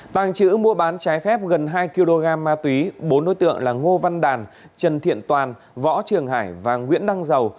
tàng trữ mua bán trái phép gần hai kg ma túy bốn đối tượng là ngô văn đàn trần thiện toàn võ trường hải và nguyễn đăng dầu